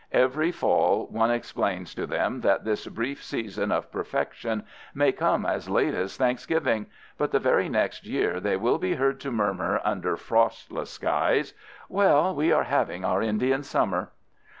Every fall one explains to them that this brief season of perfection may come as late as Thanksgiving, but the very next year they will be heard to murmur, under frostless skies, "Well, we are having our Indian summer."